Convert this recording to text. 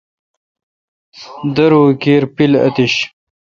دروکیر پیل اتش۔